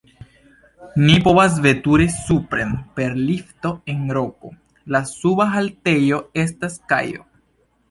Ni povas veturi supren per lifto en roko, la suba haltejo estas kajo.